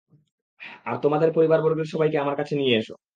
আর তোমাদের পরিবারবর্গের সবাইকে আমার কাছে নিয়ে এস।